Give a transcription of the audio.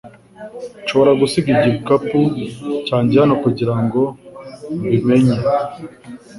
Nshobora gusiga igikapu cyanjye hano kugirango mbi menye